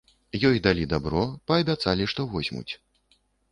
Ёй далі дабро, паабяцалі, што возьмуць.